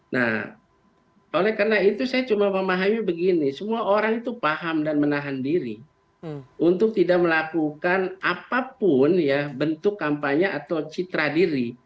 nah oleh karena itu saya cuma memahami begini semua orang itu paham dan menahan diri untuk tidak melakukan apapun ya bentuk kampanye atau citra diri